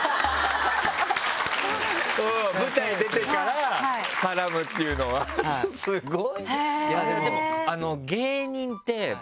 舞台出てから絡むっていうのはスゴい！